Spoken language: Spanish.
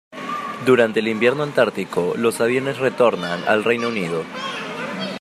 Durante el invierno antártico los aviones retornan al Reino Unido.